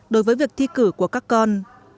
đối với việc thi cử của các con